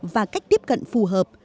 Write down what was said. và cách tiếp cận phù hợp